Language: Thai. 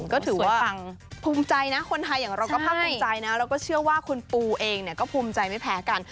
ก็ถือว่าฟังภูมิใจนะคนไทยอย่างเราก็ภาคภูมิใจนะแล้วก็เชื่อว่าคุณปูเองก็ภูมิใจไม่แพ้กัน